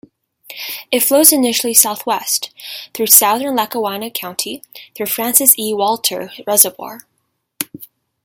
It flows initially southwest, through southern Lackawanna County, through Francis E. Walter Reservoir.